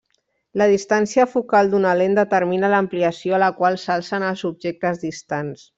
La distància focal d'una lent determina l'ampliació a la qual s'alcen els objectes distants.